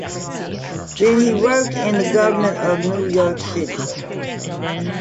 Then he worked in the government of New York City.